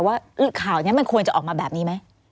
ว่าข่าวนี้มันควรจะออกมาแบบนี้ไหม